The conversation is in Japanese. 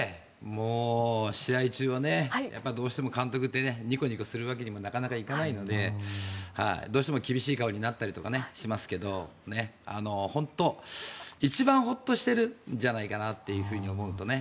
もう試合中はやっぱりどうしてもニコニコするわけにもなかなかいかないのでどうしても厳しい顔になったりしますけど本当、一番ホッとしているんじゃないかなと思うとね。